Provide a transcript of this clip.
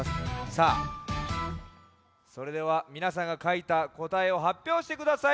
さあそれではみなさんがかいたこたえをはっぴょうしてください。